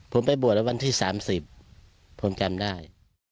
ผมไปบวชแล้ววันที่๓๐ผมจำได้